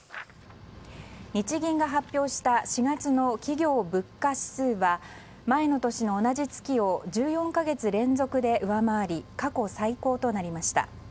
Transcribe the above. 日銀が発表した４月の企業物価指数は前の年の同じ月を１４か月連続で上回り過去最高となりました。